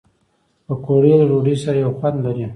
پکورې له ډوډۍ سره یو خوند لري